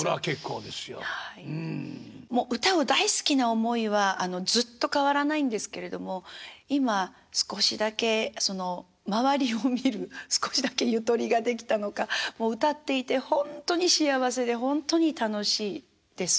もう歌を大好きな思いはずっと変わらないんですけれども今少しだけ周りを見る少しだけゆとりができたのか歌っていてほんとに幸せでほんとに楽しいです。